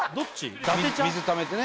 水ためてね